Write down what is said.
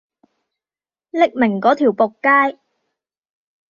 匿名嗰條僕街